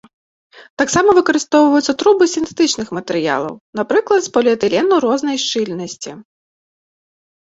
Таксама выкарыстоўваюцца трубы з сінтэтычных матэрыялаў, напрыклад, з поліэтылену рознай шчыльнасці.